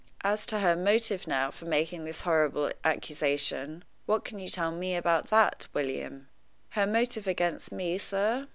As to her motive now for making this horrible accusation, what can you tell me about that, William?" "Her motive against me, sir?"